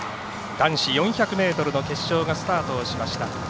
男子４００ｍの決勝がスタート。